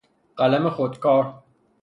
قلم خودکار